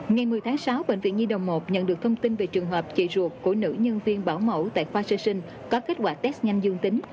ngày một mươi tháng sáu bệnh viện nhi đồng một nhận được thông tin về trường hợp chị ruột của nữ nhân viên bảo mẫu tại khoa sơ sinh có kết quả test nhanh dương tính